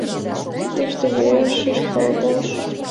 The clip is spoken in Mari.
Тыште лиеш шӱшкалташ.